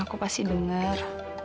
aku pasti denger